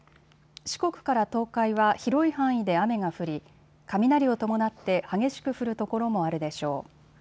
四国から東海は広い範囲で雨が降り雷を伴って激しく降る所もあるでしょう。